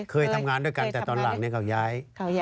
เคยทำงานด้วยกันแต่ตอนหลังเขาย้าย